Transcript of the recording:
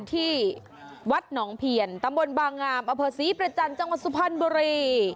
ที่วัดหนองเพียนตำบลบางงามอเผิร์ดสีเปรศจันทร์จังหวัดซุภัณฑ์บรี